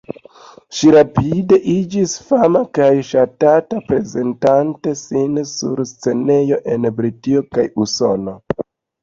Ŝi rapide iĝis fama kaj ŝatata, prezentante sin sur scenejoj en Britio kaj Usono.